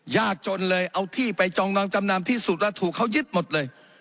ยากจนเลยเอาที่ไปจองรองจำนำที่สุดแล้วถูกเขายึดหมดเลย